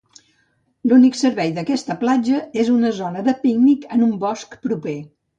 L'únic servei d'aquesta platja és una zona de pícnic en un bosc proper.